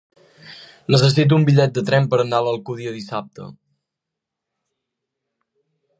Necessito un bitllet de tren per anar a l'Alcúdia dissabte.